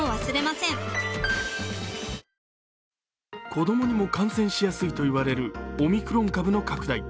子供にも感染しやすいといわれるオミクロン株の拡大。